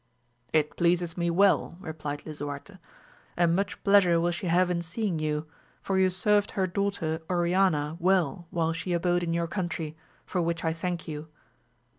It pleases me well, replied Lisuarte, and much pleasure will shq have in seeing you, for you served her daughter Oriana well while she abode in your country, for which I thank you.